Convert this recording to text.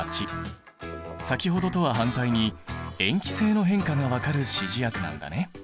先ほどとは反対に塩基性の変化が分かる指示薬なんだね。